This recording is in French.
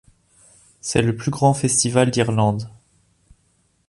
C'est le plus grand festival d'Irlande.